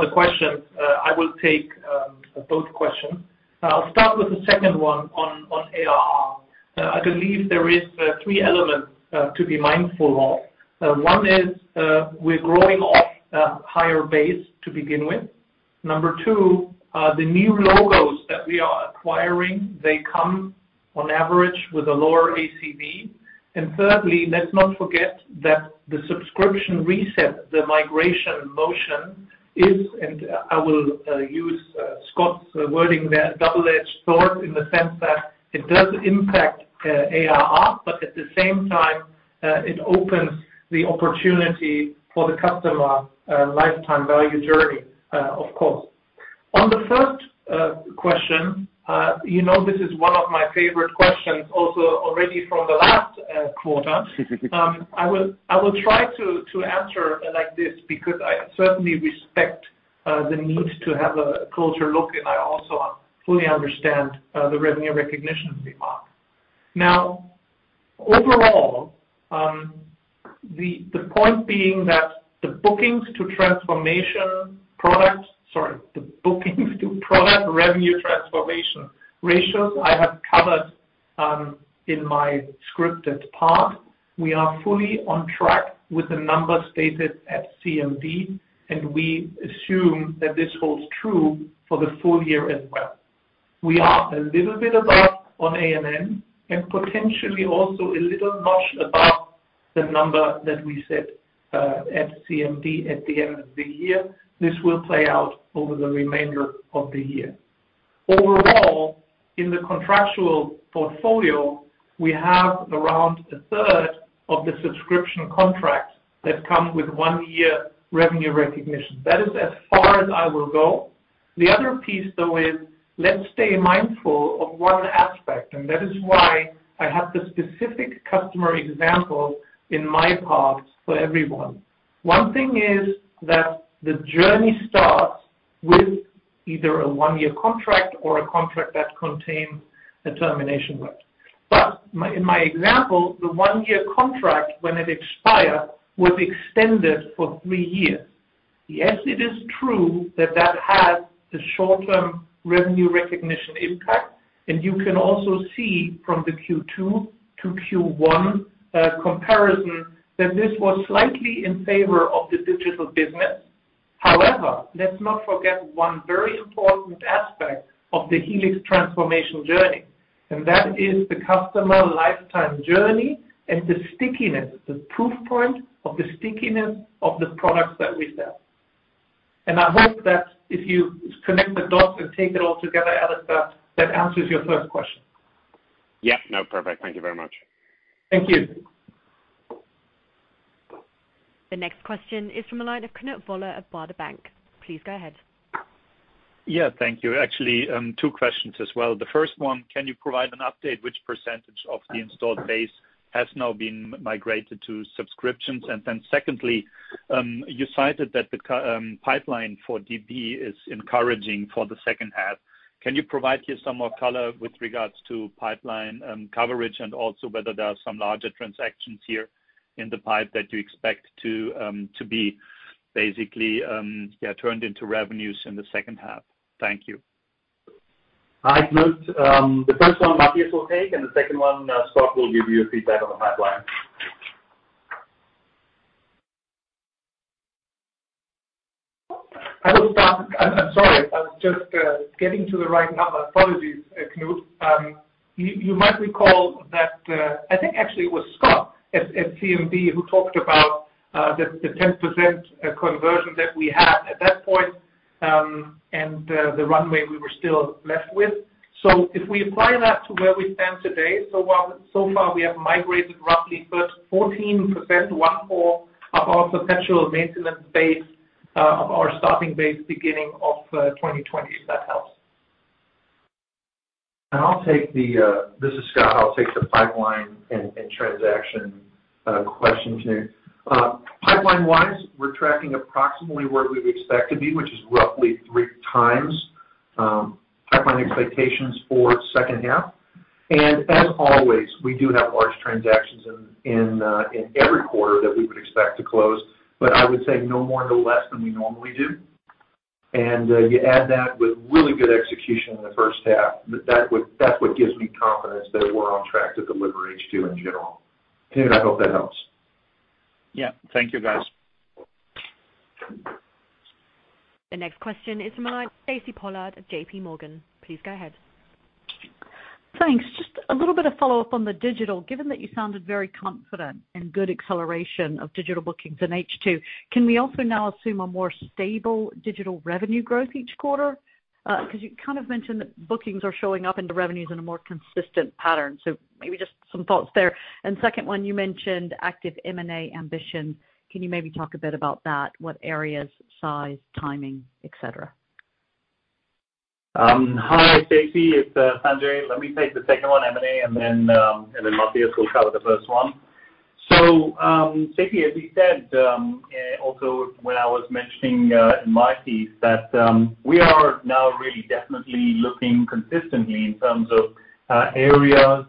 the questions. I will take both questions. I'll start with the second one on ARR. I believe there is three elements to be mindful of. One is, we're growing off a higher base to begin with. Number two, the new logos that we are acquiring, they come on average with a lower ACV. Thirdly, let's not forget that the subscription reset, the migration motion is, and I will use Scott's wording there, double-edged sword in the sense that it does impact ARR, but at the same time, it opens the opportunity for the customer lifetime value journey, of course. On the first question, you know this is one of my favorite questions also already from the last quarter i will try to answer like this because I certainly respect the need to have a closer look, and I also fully understand the revenue recognition remark. Now, overall, the point being that the bookings to transformation products, sorry, the bookings to product revenue transformation ratios I have covered in my scripted part, we are fully on track with the numbers stated at CMD, and we assume that this holds true for the full year as well. We are a little bit above on A&N and potentially also a little notch above the number that we set at CMD at the end of the year. This will play out over the remainder of the year. Overall, in the contractual portfolio, we have around a third of the subscription contracts that come with one year revenue recognition that is as far as I will go. The other piece, though, is let's stay mindful of one aspect, and that is why I have the specific customer examples in my part for everyone. One thing is that the journey starts with either a one-year contract or a contract that contains a termination right. In my example, the one-year contract, when it expired, was extended for three years. Yes, it is true that that had a short-term revenue recognition impact, and you can also see from the Q2 to Q1 comparison that this was slightly in favor of digital business. However, let's not forget one very important aspect of the Helix transformation journey, and that is the customer lifetime journey and the stickiness, the proof point of the stickiness of the products that we sell. I hope that if you connect the dots and take it all together, Alastair, that answers your first question. Yeah, no, perfect. Thank you very much. Thank you. The next question is from the line of Knut Woller of Baader Bank. Please go ahead. Yeah, thank you actually, two questions as well the first one, can you provide an update which percent of the installed base has now been migrated to subscriptions? Secondly, you cited that the pipeline for DB is encouraging for the second half. Can you provide here some more color with regards to pipeline coverage and also whether there are some larger transactions here? In the pipe that you expect to be basically turned into revenues in the second half. Thank you. Hi, Knut. The first one, Matthias will take and the second one, Scott will give you a feedback on the pipeline. I'm sorry i was just getting to the right number apologies, Knut, you might recall that, I think actually it was Scott at CMD, who talked about the 10% conversion that we had at that point. The runway we were still left with. If we apply that to where we stand today, so far we have migrated roughly but 14%, 1/4 of our potential maintenance base, of our staffing base beginning of 2020, if that helps. This is Scott. I'll take the pipeline and transaction question, Knut. Pipeline-wise, we're tracking approximately where we would expect to be, which is roughly three times pipeline expectations for second half. As always, we do have large transactions in every quarter that we would expect to close. I would say no more, no less than we normally do. You add that with really good execution in the first half, that's what gives me confidence that we're on track to deliver second half in general. Knut, I hope that helps. Yeah. Thank you, guys. The next question is from Stacy Pollard of J.P. Morgan. Please go ahead. Thanks. Just a little bit of follow-up on the digital, given that you sounded very confident in good acceleration of digital bookings in second half, can we also now assume a more stable digital revenue growth each quarter? You kind of mentioned that bookings are showing up into revenues in a more consistent pattern maybe just some thoughts there. Second one, you mentioned active M&A ambition. Can you maybe talk a bit about that? What areas? size? timing? et cetera. Hi, Stacy. It's Sanjay let me take the second one, M&A, and then Matthias will cover the first one. Stacy, as we said, also when I was mentioning in my piece that we are now really definitely looking consistently in terms of areas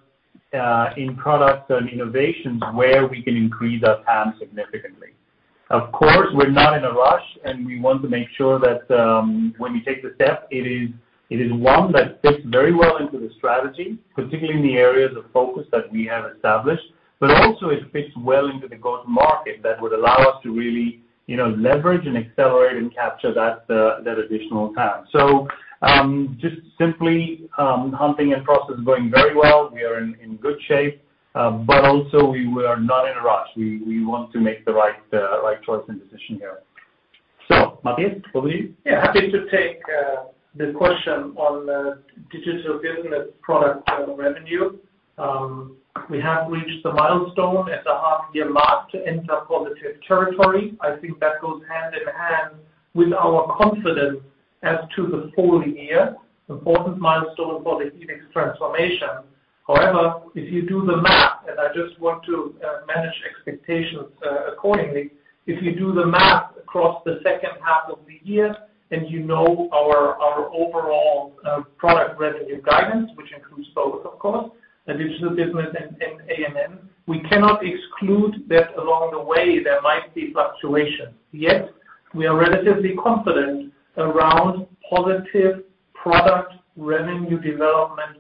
in products and innovations where we can increase our TAM significantly. Of course, we're not in a rush, and we want to make sure that when we take the step, it is one that fits very well into the strategy, particularly in the areas of focus that we have established, but also it fits well into the Go-To-Market that would allow us to really leverage and accelerate and capture that additional TAM. Just simply, hunting and process is going very well we are in good shape. But also we are not in a rush, we want to make the right choice and decision here. Matthias, over to you. Yeah, happy to take the question digital business product revenue. We have reached the milestone at the half-year mark to enter positive territory, i think that goes hand-in-hand with our confidence as to the full year, important milestone for the Helix transformation. However, if you do the math, and I just want to manage expectations accordingly, if you do the math across the second half of the year, and you know our overall product revenue guidance, which includes both, of course, digital business and A&N, we cannot exclude that along the way, there might be fluctuations, yet, we are relatively confident around positive product revenue development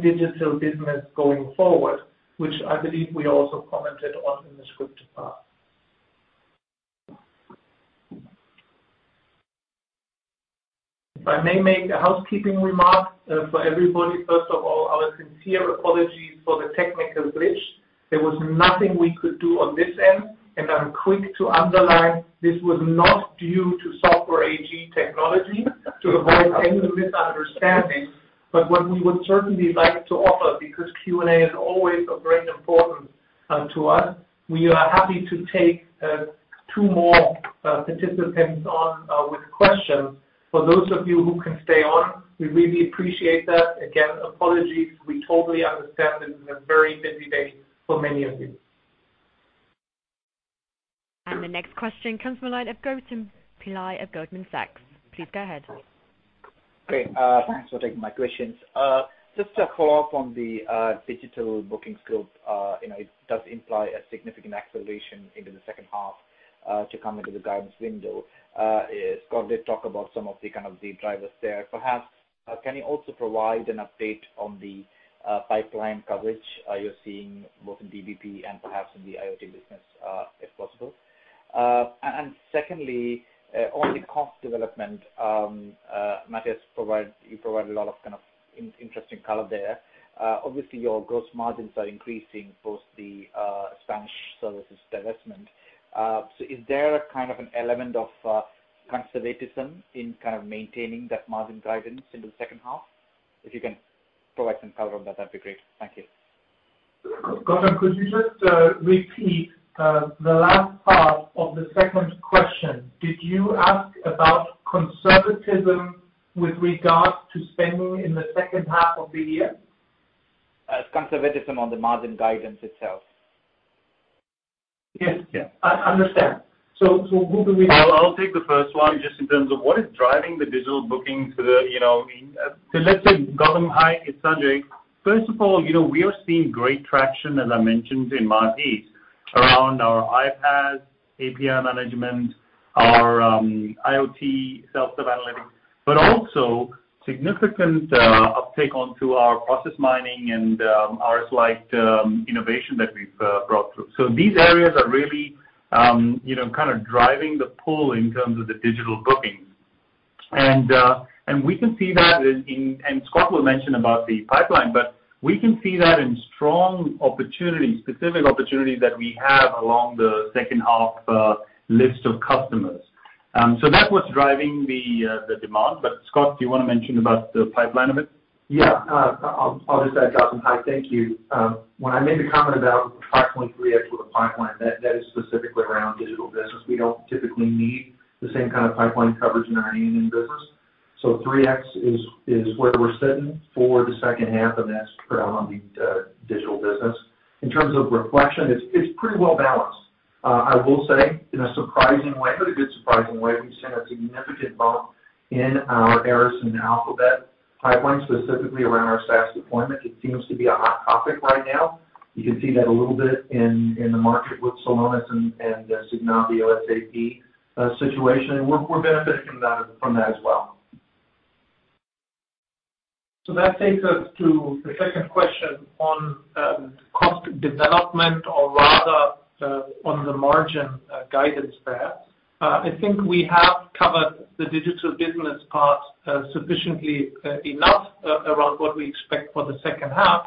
digital business going forward, which I believe we also commented on in the script part. If I may make a housekeeping remark for everybody, first of all, our sincere apologies for the technical glitch. There was nothing we could do on this end, and I'm quick to underline this was not due to Software AG technology, to avoid any misunderstanding. What we would certainly like to offer, because Q&A is always of great importance to us, we are happy to take two more participants on with questions. For those of you who can stay on, we really appreciate that again, apologies, we totally understand this is a very busy day for many of you. The next question comes from the line of Gautam Pillai of Goldman Sachs. Please go ahead. Great. Thanks for taking my questions. Just a follow-up on the digital bookings growth. It does imply a significant acceleration into the second half, to come into the guidance window. Scott did talk about some of the drivers there perhaps, can you also provide an update on the pipeline coverage you're seeing both in DBP and perhaps in the IoT business, if possible? Secondly, on the cost development, Matthias, you provided a lot of kind of interesting color there. Obviously, your gross margins are increasing post the Spanish services divestment. Is there a kind of an element of conservatism? in maintaining that margin guidance into the second half? If you can provide some color on that'd be great. Thank you. Gautam, could you just repeat the last part of the second question? Did you ask about conservatism with regard to spending in the second half of the year? Conservatism on the margin guidance itself. Yes. Yeah. I understand. So who do we- I'll take the first one, just in terms of what is driving the digital booking to the, you know Gautam Hi, it's Sanjay. First of all, we are seeing great traction, as I mentioned in MarEast, around our iPaaS, API management, our IoT self-service analytics, but also significant uptake onto our process mining and ARIS like innovation that we've brought through these areas are really kind of driving the pull in terms of the digital bookings. We can see that. Scott will mention about the pipeline, but we can see that in strong opportunities, specific opportunities that we have along the second half list of customers. That's what's driving the demand Scott, do you want to mention about the pipeline a bit? I'll just add, Gautam hi thank you, when I made the comment about 5.3x with the pipeline, that is specifically digital business. we don't typically need the same kind of pipeline coverage in our A&N business. So 3x is where we're sitting for the second half, and that's around digital business. in terms of reflection, it's pretty well-balanced. I will say, in a surprising way, but a good surprising way, we've seen a significant bump in our ARIS and Alfabet pipeline, specifically around our SaaS deployment, it seems to be a hot topic right now. You can see that a little bit in the market with Celonis and the Signavio SAP situation we're benefiting from that as well. That takes us to the second question on cost development or rather, on the margin guidance there. I think we have covered digital business part sufficiently enough around what we expect for the second half.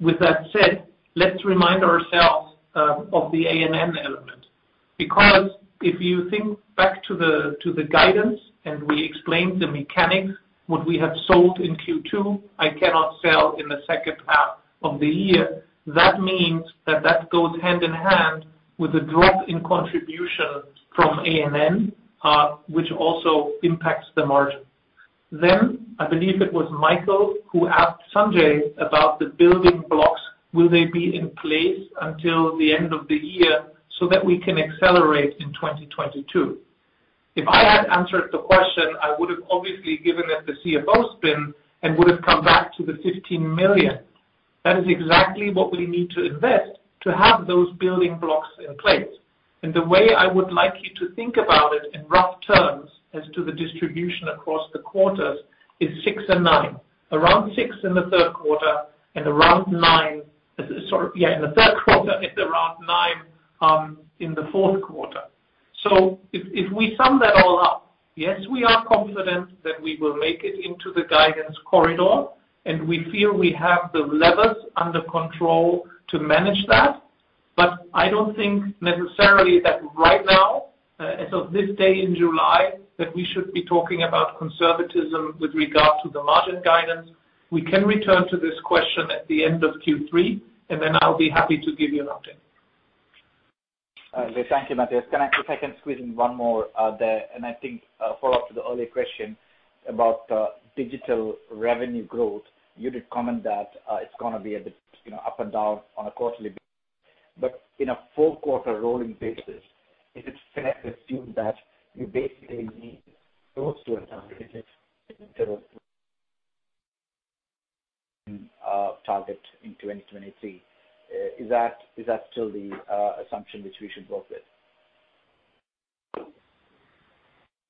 With that said, let's remind ourselves of the A&N element. If you think back to the guidance and we explained the mechanics, what we have sold in Q2, I cannot sell in the second half of the year. That means that that goes hand-in-hand with a drop in contribution from A&N, which also impacts the margin. I believe it was Michael Briest who asked Sanjay Brahmawar about the building blocks, will they be in place until the end of the year so that we can accelerate in 2022? If I had answered the question, I would have obviously given it the CFO spin and would have come back to the 15 million. That is exactly what we need to invest to have those building blocks in place. The way I would like you to think about it in rough terms as to the distribution across the quarters is six and nine. Around six in the Q3. Sorry yeah, in the Q3 and around nine in the Q4. If we sum that all up, yes, we are confident that we will make it into the guidance corridor, and we feel we have the levers under control to manage that. But i don't think necessarily that right now, as of this day in July, that we should be talking about conservatism with regard to the margin guidance. We can return to this question at the end of Q3, and then I'll be happy to give you an update. Thank you, Matthias can I take and squeeze in one more there? I think a follow-up to the earlier question about digital revenue growth. You did comment that it's going to be a bit up and down on a quarterly. In a full quarter rolling basis, is it fair to assume that you basically need close to 100% in terms of target in 2023? Is that still the assumption which we should work with?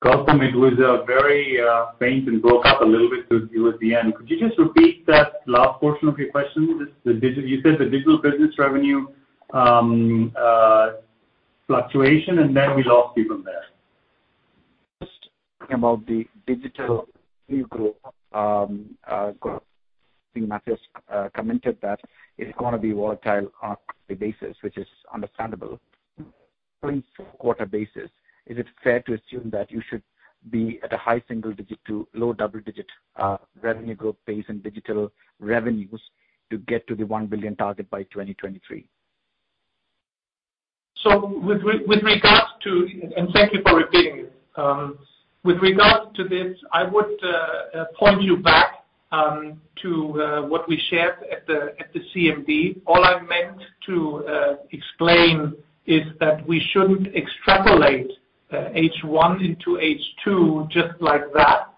Gautam, it was very faint and broke up a little bit with you at the end. Could you just repeat that last portion of your question? You said digital business revenue fluctuation, and then we lost you from there. Just talking about the digital revenue growth. I think Matthias commented that it's going to be volatile on a quarterly basis, which is understandable. On a quarter basis, is it fair to assume that you should be at a high single digit to low double-digit revenue growth pace in digital revenues to get to the 1 billion target by 2023? Thank you for repeating it. With regards to this, I would point you back to what we shared at the CMD all i meant to explain is that we shouldn't extrapolate first half into second half just like that.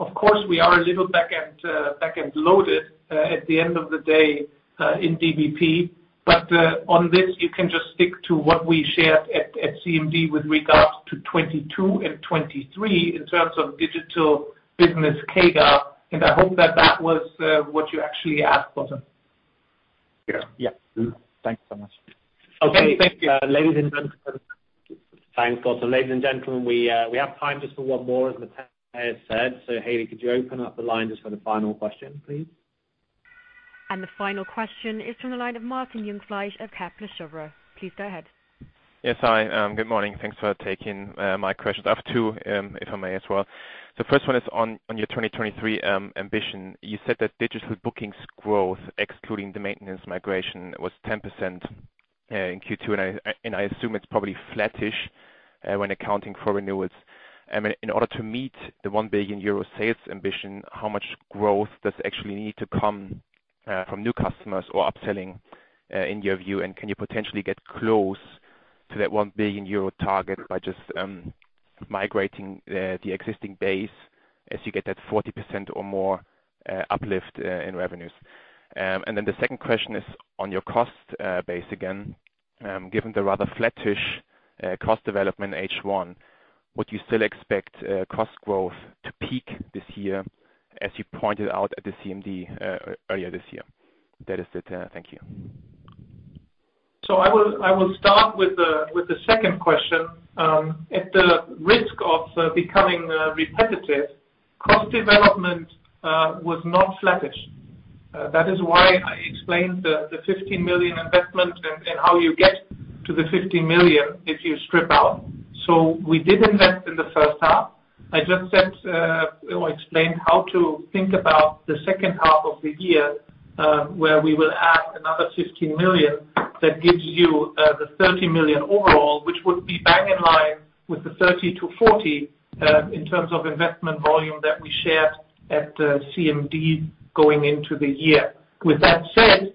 Of course, we are a little back-end loaded at the end of the day in DBP, but on this, you can just stick to what we shared at CMD with regards to 2022 and 2023 in terms digital business CAGR. I hope that that was what you actually asked, Gautam. Yeah. Thanks so much. Okay. Thank you. Thanks, Gautam ladies and gentlemen, we have time just for one more, as Matthias said. Hailey, could you open up the line just for the final question, please? The final question is from the line of Martin Jungfleisch of Kepler Cheuvreux. Please go ahead. Yes, hi good morning thanks for taking my questions i have two, if I may as well. The first one is on your 2023 ambition. You said that digital bookings growth, excluding the maintenance migration, was 10% in Q2, and I assume it's probably flattish when accounting for renewals. In order to meet the 1 billion euro sales ambition, how much growth does actually need to come from new customers or upselling in your view? and can you potentially get close to that 1 billion euro target by just migrating the existing base as you get that 40% or more uplift in revenues? The second question is on your cost base again. Given the rather flattish cost development first half, would you still expect cost growth to peak this year as you pointed out at the CMD earlier this year? That is it. Thank you. I will start with the second question. At the risk of becoming repetitive, cost development was not flattish. That is why I explained the 15 million investment and how you get to the 15 million if you strip out. We did invest in the first half. I just said or explained how to think about the second half of the year, where we will add another 15 million that gives you the 30 million overall, which would be back in line with the 30 million-40 million, in terms of investment volume that we shared at CMD going into the year. With that said,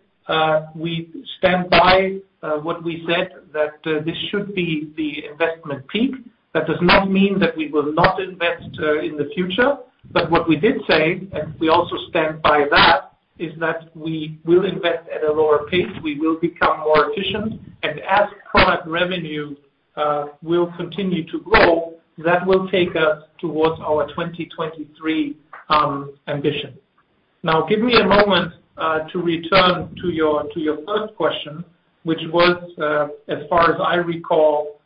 we stand by what we said, that this should be the investment peak. That does not mean that we will not invest in the future. What we did say, and we also stand by that, is that we will invest at a lower pace we will become more efficient and as product revenue will continue to grow, that will take us towards our 2023 ambition. Give me a moment to return to your first question, which was, as far as I recall,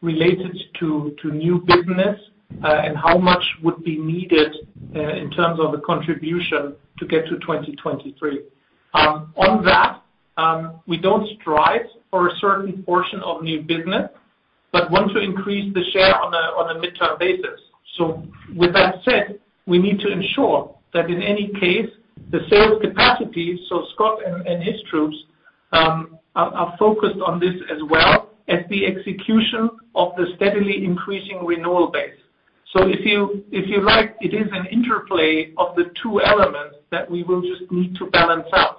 related to new business and how much would be needed in terms of the contribution to get to 2023. On that, we don't strive for a certain portion of new business, but want to increase the share on a midterm basis. With that said, we need to ensure that in any case, the sales capacity, so Scott and his troops are focused on this as well as the execution of the steadily increasing renewal base. If you like, it is an interplay of the two elements that we will just need to balance out.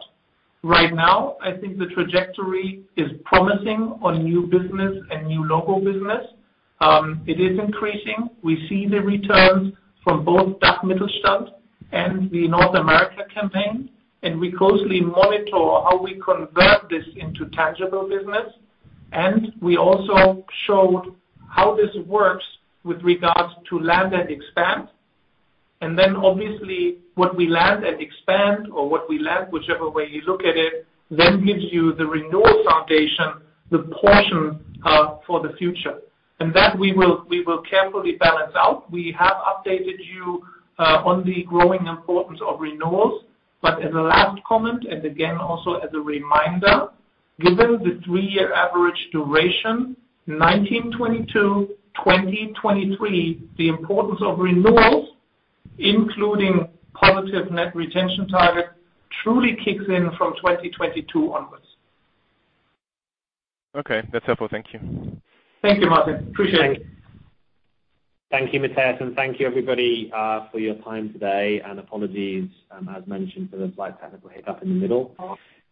Right now, I think the trajectory is promising on new business and new logo business. It is increasing we see the returns from both DACH Mittelstand and the North America campaign, and we closely monitor how we convert this into tangible business. And we also showed how this works with regards to land and expand. Obviously what we land and expand or what we land, whichever way you look at it, then gives you the renewal foundation, the portion for the future. That we will carefully balance out, we have updated you on the growing importance of renewals, but as a last comment, and again also as a reminder, given the three year average duration, 2019, 2022, 2020, 2023, the importance of renewals, including positive net retention target, truly kicks in from 2022 onwards. Okay. That's helpful. Thank you. Thank you, Martin. Appreciate it. Thank you, Matthias, and thank you everybody for your time today and apologies, as mentioned, for the slight technical hiccup in the middle.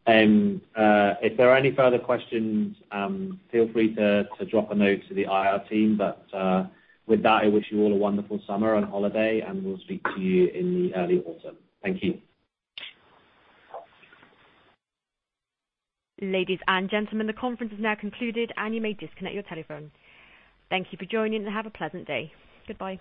If there are any further questions, feel free to drop a note to the IR team, but with that, I wish you all a wonderful summer and holiday, and we'll speak to you in the early autumn. Thank you. Ladies and gentlemen, the conference is now concluded and you may disconnect your telephone. Thank you for joining and have a pleasant day. Goodbye.